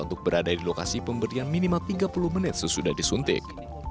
untuk berada di lokasi pemberian minimal tiga puluh menit sesudah disuntik